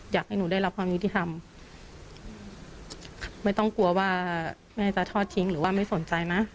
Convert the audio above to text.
อยากให้หนูได้รับความยุติธรรมไม่ต้องกลัวว่าแม่จะทอดทิ้งหรือว่าไม่สนใจนะ